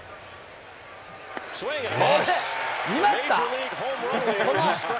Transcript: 見ました？